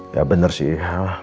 ya bener sih